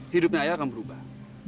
hidupnya ayah akan berubah